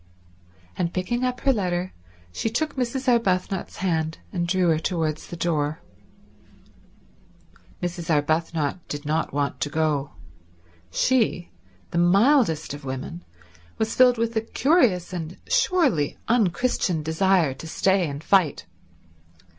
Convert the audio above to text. And picking up her letter she took Mrs. Arbuthnot's hand and drew her towards the door. Mrs. Arbuthnot did not want to go. She, the mildest of women, was filled with a curious and surely unchristian desire to stay and fight.